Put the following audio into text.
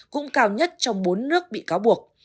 cũng cao nhất trong bốn nước bị cáo buộc